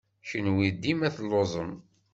Kenwi dima telluẓem!